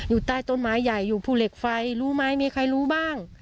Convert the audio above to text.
อยู่ใต้ต้นไม้ใหญ่อยู่ภูเหล็กไฟรู้ไหมมีใครรู้บ้าง